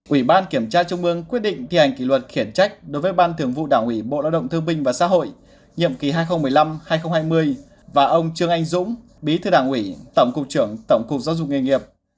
ủy ban kiểm tra trung ương quyết định thi hành kỷ luật khiển trách đối với ban thường vụ đảng ủy bộ lao động thương binh và xã hội nhiệm kỳ hai nghìn một mươi năm hai nghìn hai mươi và ông trương anh dũng bí thư đảng ủy tổng cục trưởng tổng cục giáo dục nghề nghiệp